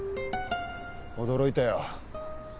驚いたよ。